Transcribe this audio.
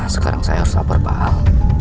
sekarang saya harus sabar mahal